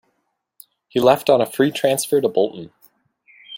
He left on a free transfer to Bolton.